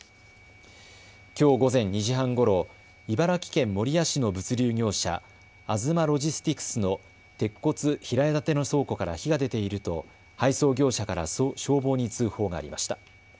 きょう午前２時半ごろ茨城県守谷市の物流業者、アズマロジスティクスの鉄骨平屋建ての倉庫から火が出ていると配送業者から消防に通報がありました。